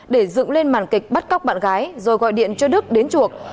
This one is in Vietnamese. để dựng lên màn kịch bắt cóc bạn gái rồi gọi điện cho đức đến chuộc